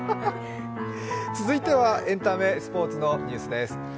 続いてはエンタメスポーツのニュースです。